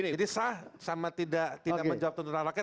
jadi sah sama tidak menjawab tuntutan rakyat